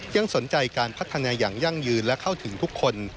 ยังสนใจการพัฒนาอย่างยั่งยืนและเข้าถึงทุกคน